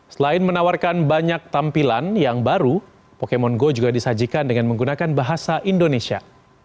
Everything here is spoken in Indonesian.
selain menawarkan banyak tampilan yang baru pokemon go juga disajikan dengan menggunakan bahasa indonesia